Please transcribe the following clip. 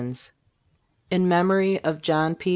i'c IN MEMORY OF JOHN P.